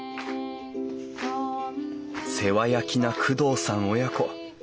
世話焼きな工藤さん親子。